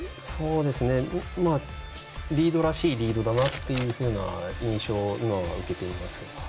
リードらしいリードだなというふうな印象を今は受けています。